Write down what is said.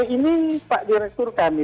ini pak direktur kami